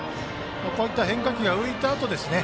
こういった変化球が浮いたあとですよね。